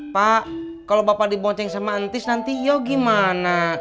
pak kalau bapak dibonceng semantis nanti yo gimana